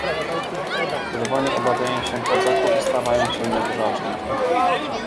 "Czerwoni obawiają się kozaków i starają się nie drażnić ich."